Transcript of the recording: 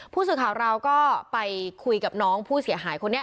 ผู้สื่อข่าวเราก็ไปคุยกับน้องผู้เสียหายคนนี้